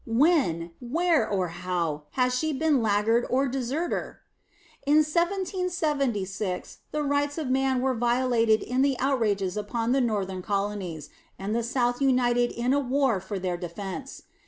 When, where, or how, has she been laggard or deserter? In 1776 the rights of man were violated in the outrages upon the Northern colonies, and the South united in a war for their defense.